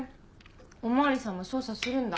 お巡りさんも捜査するんだ。